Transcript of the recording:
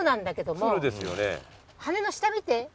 羽の下見て。